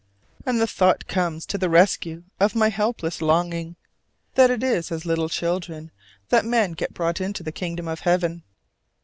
And the thought comes to the rescue of my helpless longing that it is as little children that men get brought into the kingdom of Heaven.